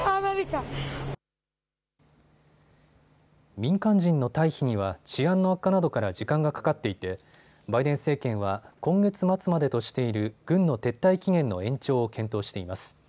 民間人の退避には治安の悪化などから時間がかかっていてバイデン政権は今月末までとしている軍の撤退期限の延長を検討しています。